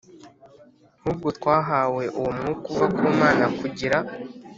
hubwo twahawe uwo Mwuka uva ku Mana kugira